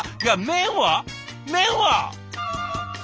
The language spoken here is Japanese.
麺は！？